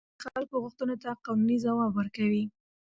اداره د خلکو غوښتنو ته قانوني ځواب ورکوي.